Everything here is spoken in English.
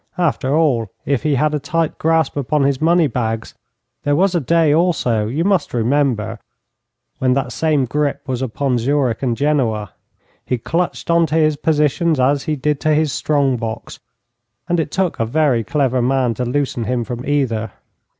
After all, if he had a tight grasp upon his money bags, there was a day also, you must remember, when that same grip was upon Zurich and Genoa. He clutched on to his positions as he did to his strong box, and it took a very clever man to loosen him from either.